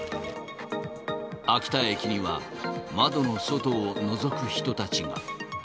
秋田駅には窓の外をのぞく人たちが。